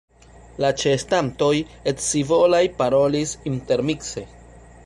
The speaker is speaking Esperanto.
La ĉeestantoj scivolaj parolis intermikse: